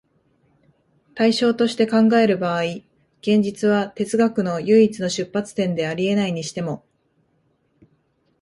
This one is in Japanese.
対象として考える場合、現実は哲学の唯一の出発点であり得ないにしても、